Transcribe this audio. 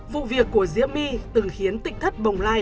vụ việc của diễm my từng khiến tịch thất bồng lai